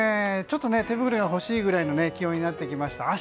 ちょっと手袋が欲しいぐらいの気温になってきました。